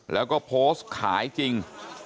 แล้วก็โพสต์ขายจริง